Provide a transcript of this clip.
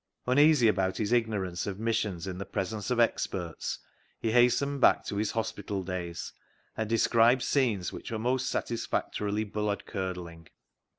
Uneasy about his igno rance of missions in the presence of experts, he hastened back to his hospital days, and described scenes which were most satisfactorily blood curdling.